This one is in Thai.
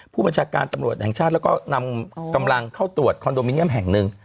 ผู้บัญชาการตำรวจแห่งชาติแล้วก็นำกำลังเข้าตรวจคอนโดมิเนียมแห่งหนึ่ง